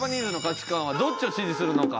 どっちを支持するのか。